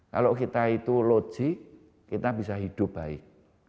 kalau kita itu logik kita bisa hidup baik